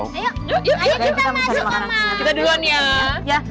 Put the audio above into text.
kita duluan ya